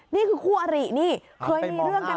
นี่คือคู่อรินี่เคยมีเรื่องกัน